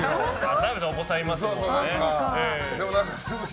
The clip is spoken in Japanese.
澤部さんお子さんいますもんね。